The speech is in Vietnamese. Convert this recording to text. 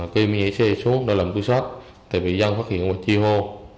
khi mới nhảy xe xuống để làm tu sách thì bị dân phát hiện và chi hô